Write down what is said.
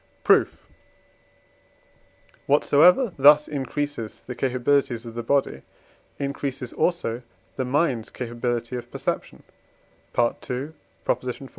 Proof. Whatsoever thus increases the capabilities of the body increases also the mind's capability of perception (II. xiv.)